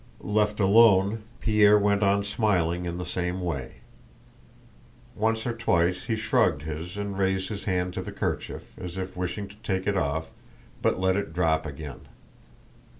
Left alone, Pierre went on smiling in the same way. Once or twice he shrugged his shoulders and raised his hand to the kerchief, as if wishing to take it off, but let it drop again.